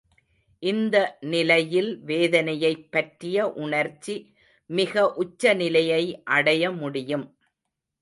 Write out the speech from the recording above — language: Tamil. இந்த நிலையில் வேதனையைப் பற்றிய உணர்ச்சி மிக உச்ச நிலையை அடைய முடியும்.